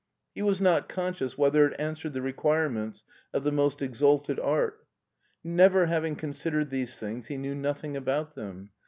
He was not conscious whether it answered the requirements of the most exalted art. Never having considered these things he knew nothing about them.